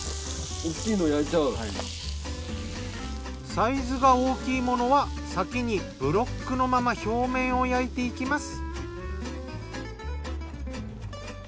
サイズが大きいものは先にブロックのまま表面を焼いていきます。